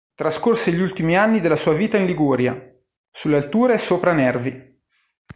Trascorse gli ultimi anni della sua vita in Liguria, sulle alture sopra Nervi.